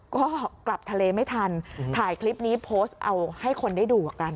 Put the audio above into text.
ก็กลับทะเลไม่ทันถ่ายคลิปนี้โพสต์เอาให้คนได้ดูกัน